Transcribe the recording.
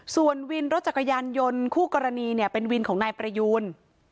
ส่วนวินรถจักรยานยนต์คู่กรณีเนี่ยเป็นวินของนายประยูน